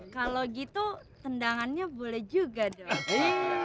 kalau gitu tendangannya boleh juga dong